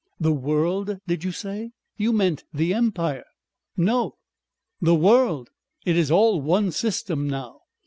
"The world, did you say? You meant the empire?" "No, the world. It is all one system now.